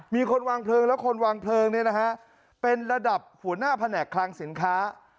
มีคนวางเพลิงแล้วคนวางเพลิงเนี่ยนะฮะเป็นระดับหัวหน้าแผนกคลังสินค้า